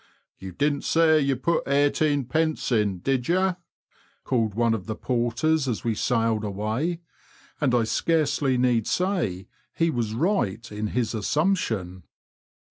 You didn't say you'd put eighteenpence in, did you ?" called one of the porters as we sailed away, and I scarcely need say he was right in his assumption.